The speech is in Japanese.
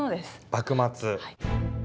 幕末。